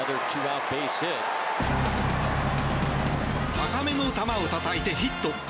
高めの球をたたいてヒット。